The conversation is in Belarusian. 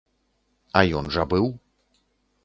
А ён жа быў.